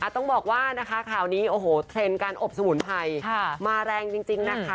ต้องบอกว่านะคะข่าวนี้โอ้โหเทรนด์การอบสมุนไพรมาแรงจริงนะคะ